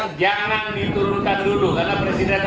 terima kasih bapak dan ibu sekalian